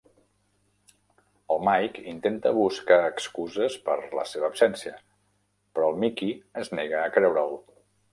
El Mike intenta buscar excuses per la seva absència, però el Mickey es nega a creure'l.